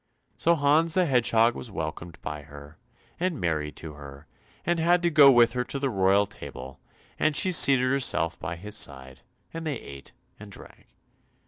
So Hans the Hedgehog was welcomed by her, and married to her, and had to go with her to the royal table, and she seated herself by his side, and they ate and drank.